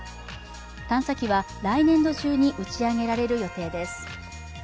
探査機は来年度中に打ち上げられる予定です。